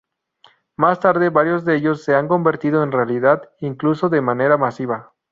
Más tarde varios de ellos se han convertido en realidad, incluso de manera masiva.